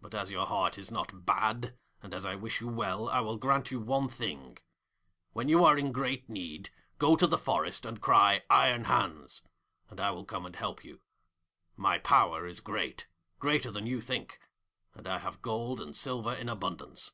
But as your heart is not bad, and as I wish you well, I will grant you one thing. When you are in great need, go to the forest and cry "Iron Hans," and I will come and help you. My power is great, greater than you think, and I have gold and silver in abundance.'